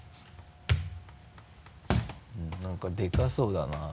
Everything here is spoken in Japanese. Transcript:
何かでかそうだな。